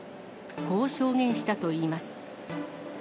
こう証言したといいます。